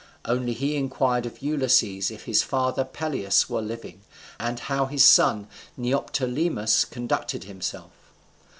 Only he inquired of Ulysses if his father Peleus were living, and how his son Neoptolemus conducted himself.